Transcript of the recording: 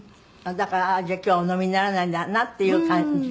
だからじゃあ今日はお飲みにならないんだなっていう感じ。